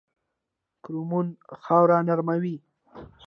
کرمونه خاوره نرموي